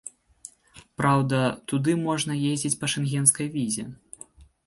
Праўда, туды можна ездзіць па шэнгенскай візе.